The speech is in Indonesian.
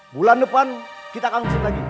bulan depan kita akan usut lagi